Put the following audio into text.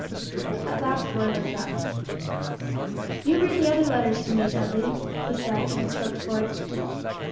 At last Roy looked up. "You read the other letters to me, Dudley," he said, in a choked voice.